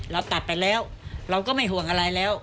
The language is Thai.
ตัดไปแล้วเราก็ไม่ห่วงอะไรแล้ว